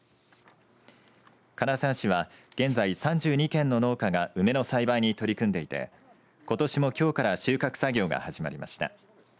金沢市は現在、３２軒の農家が梅の栽培に取り組んでいてことしも、きょうから収穫作業が始まりました。